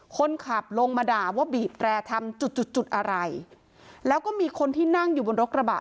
คนขับลงมาด่าว่าบีบแร่ทำจุดจุดจุดอะไรแล้วก็มีคนที่นั่งอยู่บนรถกระบะ